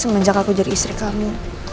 semenjak aku jadi istri kami